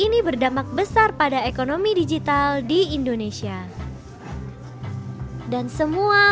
sebahagian ke satu perang antara spiritual dan rasa